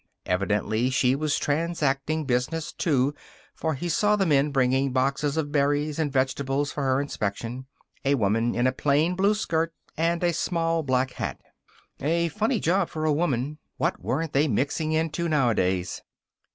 Evidently she was transacting business, too, for he saw the men bringing boxes of berries and vegetables for her inspection. A woman in a plain blue skirt and a small black hat. A funny job for a woman. What weren't they mixing into nowadays!